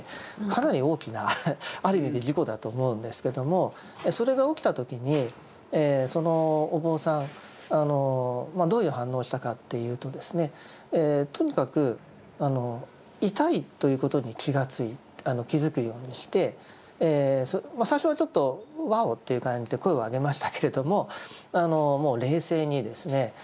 かなり大きなある意味で事故だと思うんですけどもそれが起きた時にそのお坊さんどういう反応をしたかというとですねとにかく痛いということに気づくようにして最初はちょっと「わお」っていう感じで声を上げましたけれどももう冷静にですね